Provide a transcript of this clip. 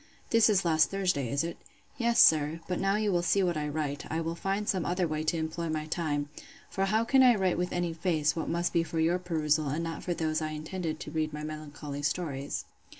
This is last Thursday, is it? Yes, sir; but now you will see what I write, I will find some other way to employ my time: for how can I write with any face, what must be for your perusal, and not for those I intended to read my melancholy stories?